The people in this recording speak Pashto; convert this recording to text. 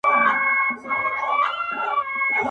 څه پوښتې چي شعر څه؟ شاعري څنگه